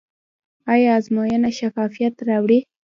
آیا ازموینه شفافیت راوړي؟